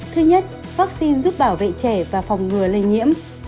thứ nhất vaccine giúp bảo vệ trẻ và phòng ngừa lây nhiễm